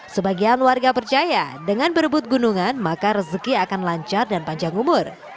sebagian warga percaya dengan berebut gunungan maka rezeki akan lancar dan panjang umur